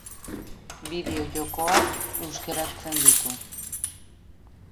Bideo-jokoak euskaratzen ditu.